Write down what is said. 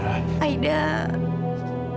aida mau ngomong berdua sama aku san